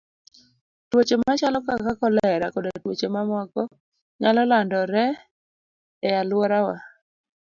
Tuoche machalo kaka kolera koda tuoche mamoko, nyalo landore e alworawa.